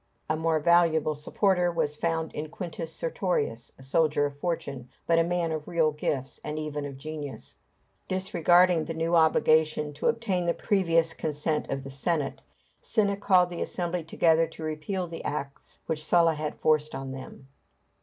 A more valuable supporter was found in Quintus Sertorius, a soldier of fortune, but a man of real gifts, and even of genius. Disregarding the new obligation to obtain the previous consent of the Senate, Cinna called the assembly together to repeal the acts which Sulla had forced on them.